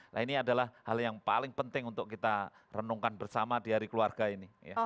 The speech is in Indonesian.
nah ini adalah hal yang paling penting untuk kita renungkan bersama di hari keluarga ini